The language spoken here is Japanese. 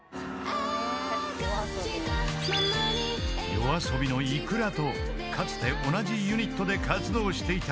［ＹＯＡＳＯＢＩのｉｋｕｒａとかつて同じユニットで活動していた親友］